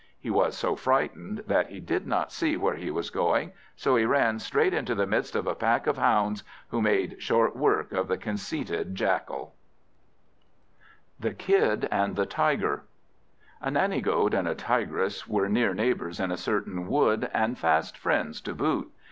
He was so frightened, that he did not see where he was going; so he ran straight into the midst of a pack of hounds, who made short work of the conceited Jackal. The Kid and the Tiger A NANNY GOAT and a Tigress were near neighbours in a certain wood, and fast friends to boot.